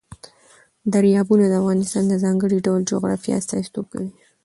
دریابونه د افغانستان د ځانګړي ډول جغرافیه استازیتوب کوي.